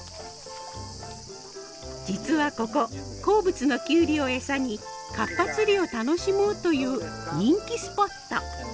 実はここ好物のきゅうりをエサにカッパ釣りを楽しもうという人気スポット。